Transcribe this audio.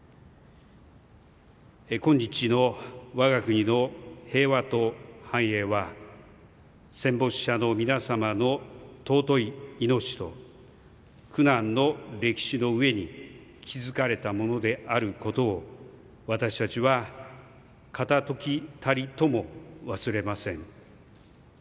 今日の我が国の平和と繁栄は戦没者の皆様の尊い命と苦難の歴史の上に築かれたものであることを私たちは片時たりとも忘れません。